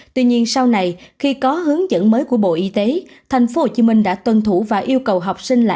tuy nhiên sau này khi có hướng dẫn mới của bộ y tế tp hcm đã tuân thủ và yêu cầu học sinh là